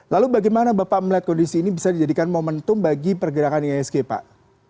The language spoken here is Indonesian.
lalu bagaimana bapak melihat kondisi ini bisa dijadikan momentum bagi pergerakan ihsg pak